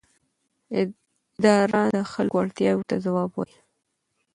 اداره د خلکو اړتیاوو ته ځواب وايي.